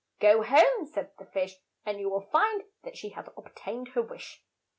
"Go home," said the fish, "and you will find that she has ob tained her wish."